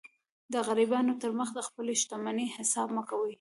د غریبانو تر مخ د خپلي شتمنۍ حساب مه کوئ!